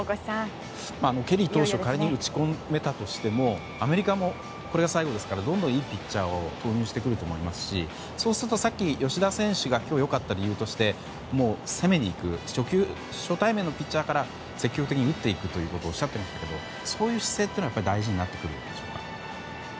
ケリー投手を仮に打ち込めたとしてもアメリカもこれが最後ですからどんどん、いいピッチャーを投入してくると思いますしそうすると、さっき吉田選手が今日よかった理由として攻めに行く初対面のピッチャーから積極的に打っていくとおっしゃっていましたけどそういう姿勢というのは大事になってくるんでしょうか。